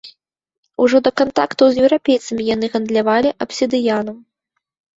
Ужо да кантактаў з еўрапейцамі яны гандлявалі абсідыянам.